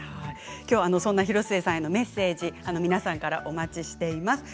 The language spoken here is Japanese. きょうはそんな広末さんへのメッセージ皆さんからお待ちしてます。